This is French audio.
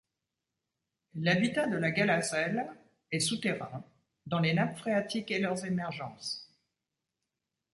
L’habitat de la gallaselle est souterrain, dans les nappes phréatiques et leurs émergences.